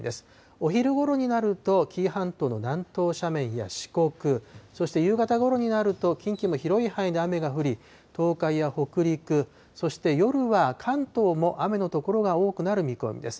お昼ごろになると、紀伊半島の南東斜面や、四国、そして夕方ごろになると、近畿も広い範囲で雨が降り、東海や北陸、そして夜は関東も雨の所が多くなる見込みです。